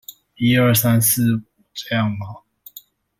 一二三四五，這樣嗎？